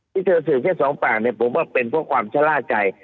ที่เธอสืบแค่สองปากเนี่ยผมว่าเป็นเพราะความชะล่าใจ